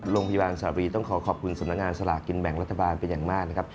โรงพยาบาลสารีต้องขอขอบคุณสำนักงานสลากกินแบ่งรัฐบาลเป็นอย่างมากนะครับ